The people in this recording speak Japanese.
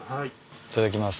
いただきます。